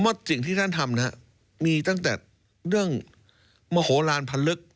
ผมว่าสิ่งที่ท่านทำนะมีตั้งแต่เรื่องโมโฮลาลพละลึก